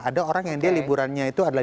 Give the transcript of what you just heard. ada orang yang dia liburannya itu adalah